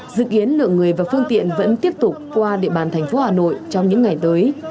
dự kiến lượng người và phương tiện vẫn tiếp tục qua địa bàn thành phố hà nội trong những ngày tới